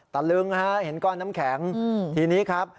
ตะลึงฮะเห็นก้อนน้ำแข็งทีนี้ครับ